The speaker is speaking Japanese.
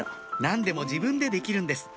何でも自分でできるんです